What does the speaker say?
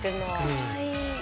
かわいい。